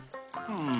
うん？